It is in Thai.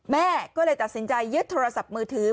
แม่ก็เลยตัดสินใจยึดโทรศัพท์มือถือ